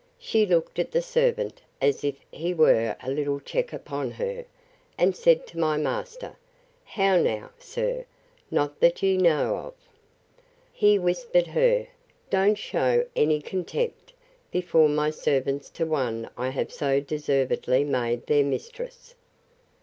She looked at the servant, as if he were a little check upon her, and said to my master, How now, sir!—Not that you know of. He whispered her, Don't shew any contempt before my servants to one I have so deservedly made their mistress.